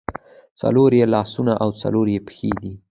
څلور یې لاسونه او څلور یې پښې دي.